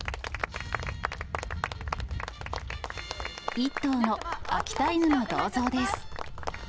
一頭の秋田犬の銅像です。